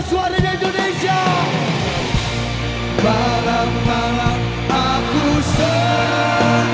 luar biasa bintangkan bersinar